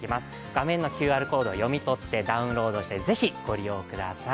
画面のＱＲコードを読み取ってダウンロードしてぜひご利用ください。